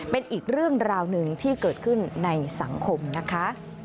เป็นอีกเรื่องราวหนึ่งที่เกิดขึ้นในสังคมนะคะ